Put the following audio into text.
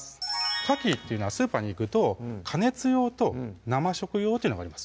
かきっていうのはスーパーに行くと加熱用と生食用というのがあります